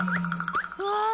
うわ！